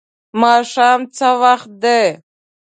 ماښام څه وخت دی؟